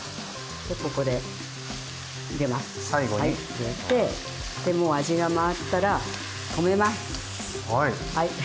入れてもう味が回ったら止めます。